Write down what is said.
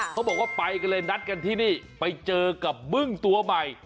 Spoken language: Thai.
เขาบอกว่าไปกันเลยนัดกันที่นี่ไปเจอกับบึ้งตัวใหม่